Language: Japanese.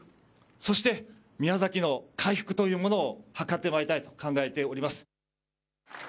そして、宮崎の回復というものを図ってまいりたいと考えております。